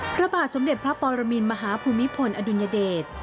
พระบาทสมเด็จพระปรมินมหาภูมิพลอดุลยเดช